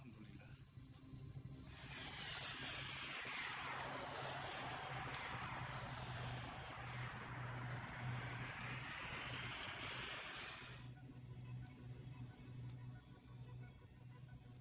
dan begitu seterusnya